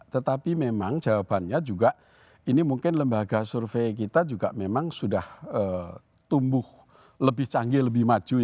tetapi memang jawabannya juga ini mungkin lembaga survei kita juga memang sudah tumbuh lebih canggih lebih maju